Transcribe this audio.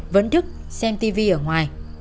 vẫn thức xem tivi ở ngoài